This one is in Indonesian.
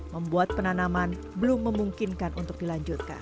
membuat penanaman belum memungkinkan untuk dilanjutkan